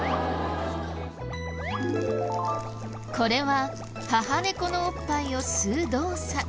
これは母猫のおっぱいを吸う動作。